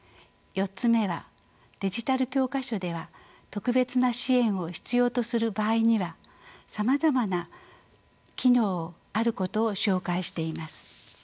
４つ目はデジタル教科書では特別な支援を必要とする場合にはさまざまな機能があることを紹介しています。